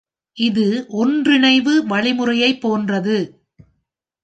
இது ஒன்றிணைவு வழிமுறையைப் போன்றது.